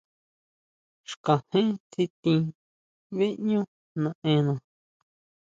Xkajén tsitin beʼñú naʼena.